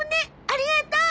ありがとう。